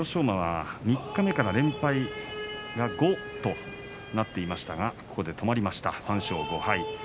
馬は三日目から連敗は５となっていましたがここで止まりました、３勝５敗。